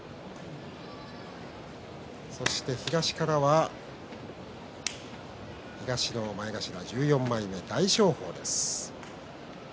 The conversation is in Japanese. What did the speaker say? そして東からは東の１４枚目大翔鵬です。